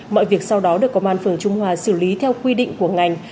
mọi việc sau đó được công an phường trung hòa xử lý theo quy định của ngành